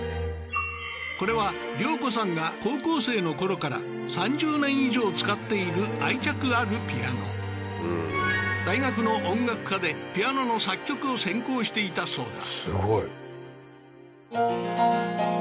これは良子さんが高校生のころから３０年以上使っている愛着あるピアノ大学の音楽科でピアノの作曲を専攻していたそうだ